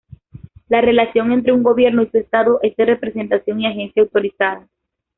La relación entre un gobierno y su estado es de representación y agencia autorizada.